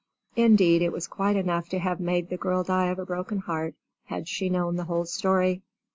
Indeed, it was quite enough to have made the girl die of a broken heart, had she known the whole story.